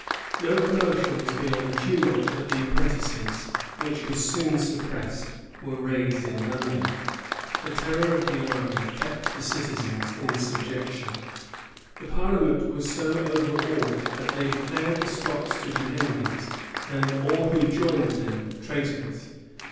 No commotions beyond a tumult of the apprentices, which was soon suppressed, were raised in London: the terror of the army kept the citizens in subjection. The parliament was so overawed, that they declared the Scots to be enemies, and all who joined them traitors.